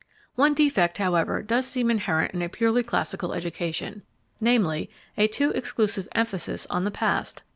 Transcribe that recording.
One defect, however, does seem inherent in a purely classical education namely, a too exclusive emphasis on the past.